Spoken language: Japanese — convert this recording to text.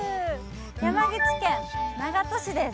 山口県長門市です。